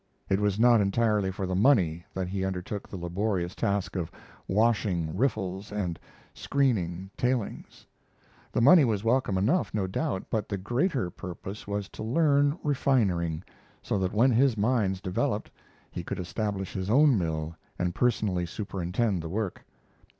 It was not entirely for the money that he undertook the laborious task of washing "riffles" and "screening tailings." The money was welcome enough, no doubt, but the greater purpose was to learn refining, so that when his mines developed he could establish his own mill and personally superintend the work.